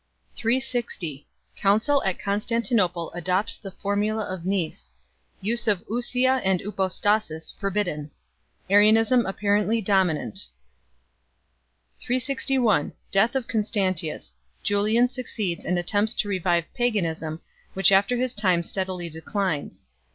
360 Council at Constantinople adopts the Formula of Nice ; use of ovaia and vTroaraans forbidden. Arianism apparently dominant. 361 Death of Constantius. Julian succeeds and attempts to revive paganism, which after his time steadily declines.